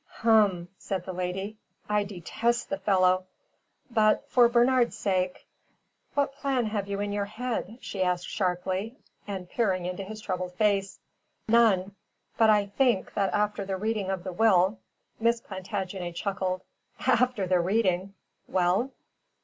"Hum," said the lady. "I detest the fellow." "But for Bernard's sake " "What plan have you in your head?" she asked sharply and peering into his troubled face. "None. But I think that after the reading of the will " Miss Plantagenet chuckled. "After the reading well?"